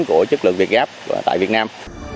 của chất lượng việc gáp tại việt nam